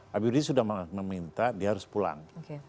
habib rizik sudah meminta dia harus pulang